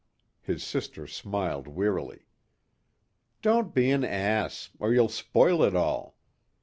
His sister smiled wearily. "Don't be an ass, or you'll spoil it all.